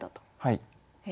はい。